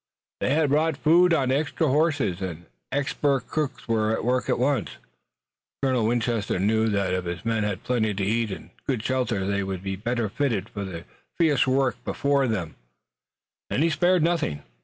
They had brought food on extra horses, and expert cooks were at work at once. Colonel Winchester knew that if his men had plenty to eat and good shelter they would be better fitted for the fierce work before them, and he spared nothing.